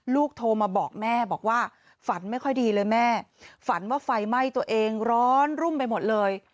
โทรมาบอกแม่บอกว่าฝันไม่ค่อยดีเลยแม่ฝันว่าไฟไหม้ตัวเองร้อนรุ่มไปหมดเลย